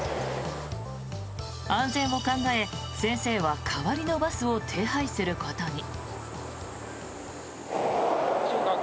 安全を考え、先生は代わりのバスを手配することに。